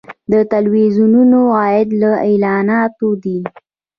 د تلویزیونونو عاید له اعلاناتو دی